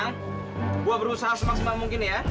gue berusaha semang semang mungkin ya